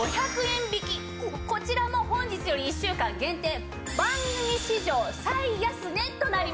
こちらも本日より１週間限定番組史上最安値となります！